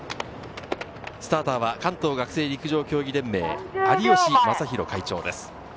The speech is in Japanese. スターターは関東学生陸上競技連盟・有吉正博会長です。